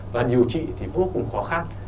và điều trị thì vô cùng khó khăn